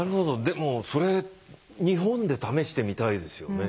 でもそれ日本で試してみたいですよね。